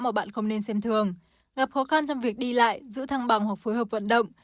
mà bạn không nên xem thường gặp khó khăn trong việc đi lại giữ thăng bằng hoặc phối hợp vận động